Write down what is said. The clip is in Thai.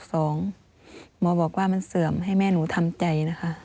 หมอบอกว่ามันเสื่อมให้แม่หนูทำใจนะคะ